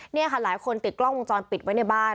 นี่ค่ะหลายคนติดกล้องวงจรปิดไว้ในบ้าน